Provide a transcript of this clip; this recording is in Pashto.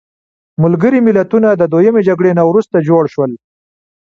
ملګري ملتونه د دویمې جګړې نه وروسته جوړ شول.